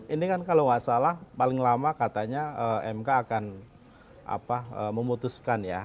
ini kan kalau nggak salah paling lama katanya mk akan memutuskan ya